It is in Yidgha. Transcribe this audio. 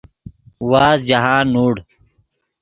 وازد جاہند نوڑ